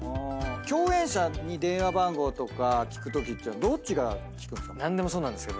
共演者に電話番号とか聞くときってどっちが聞くんですか？